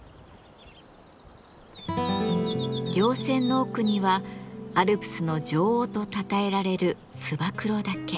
稜線の奥にはアルプスの女王とたたえられる燕岳。